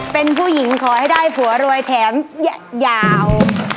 เป็นผู้หญิงขอให้ได้ผัวรวยแถมยาว